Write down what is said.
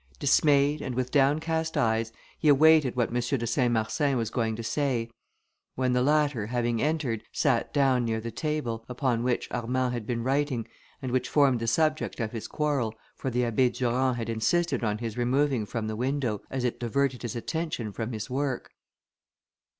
Dismayed, and with downcast eyes, he awaited what M. de Saint Marsin was going to say; when the latter, having entered, sat down near the table, upon which Armand had been writing, and which formed the subject of his quarrel, for the Abbé Durand had insisted on his removing from the window, as it diverted his attention from his work.